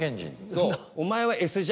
そう。